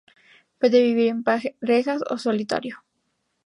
Puede vivir en parejas o ser solitario.